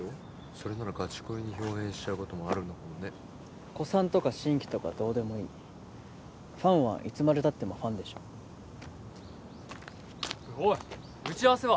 それならガチ恋に豹変しちゃうこともあるのかもね古参とか新規とかどうでもいいファンはいつまでたってもファンでしょおい打ち合わせは？